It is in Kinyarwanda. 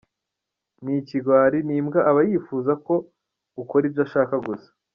Ni ikigwari n’imbwa aba yifuza ko ukora ibyo ashaka gusa.